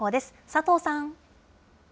佐藤さん。